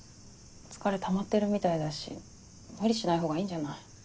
疲れ溜まってるみたいだし無理しない方がいいんじゃない？